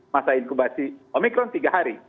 masa inkubasi omikron tiga hari